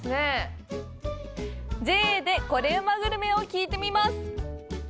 ＪＡでコレうまグルメを聞いてみます。